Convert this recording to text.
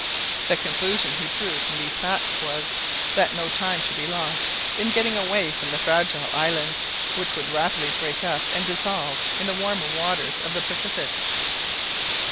The conclusion he drew from these facts was, that no time should be lost in getting away from the fragile island, which would rapidly break up and dissolve in the warmer waters of the Pacific.